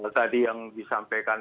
tadi yang disampaikan